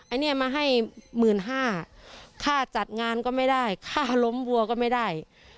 อันนี้มาให้๑๕๐๐ค่าจัดงานก็ไม่ได้ค่าล้มวัวก็ไม่ได้